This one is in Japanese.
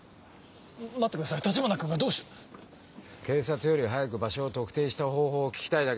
待ってください橘君がどうして。警察より早く場所を特定した方法を聞きたいだけです。